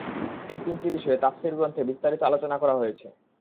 এই তিনটি বিষয়ে তাফসীর গ্রন্থে বিস্তারিত আলোচনা করা হয়েছে।